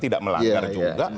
tidak melanggar juga